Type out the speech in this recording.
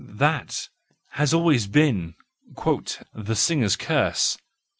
That—has always been " The Singer's Curse."